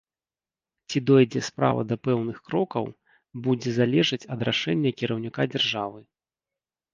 Ці дойдзе справа да пэўных крокаў, будзе залежаць ад рашэння кіраўніка дзяржавы.